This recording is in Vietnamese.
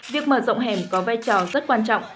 việc mở rộng hẻm có vai trò rất quan trọng